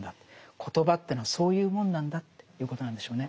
コトバというのはそういうもんなんだっていうことなんでしょうね。